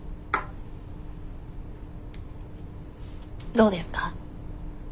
どうですか？